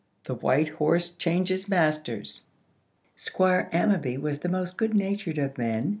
—THE WHITE HORSE CHANGES MASTERS. SQUIRE AMMABY was the most good natured of men.